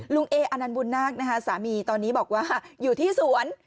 ลุงเออานันบุญนาคสามีตอนนี้บอกว่าอยู่ที่สวน